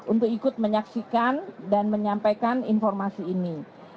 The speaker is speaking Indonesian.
untuk ikut menyaksikan dan menyampaikan informasi ini